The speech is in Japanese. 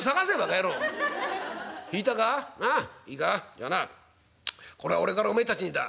じゃあなこれは俺からおめえたちにだ。